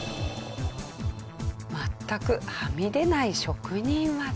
全くはみ出ない職人技。